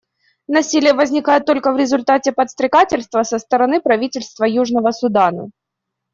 Насилие возникает только в результате подстрекательства со стороны правительства Южного Судана.